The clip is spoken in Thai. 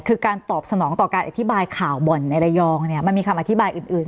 คือการตอบสนองต่อการอธิบายข่าวบ่อนในระยองเนี่ยมันมีคำอธิบายอื่น